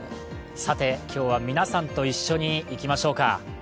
今日は皆さんと一緒にいきましょうか。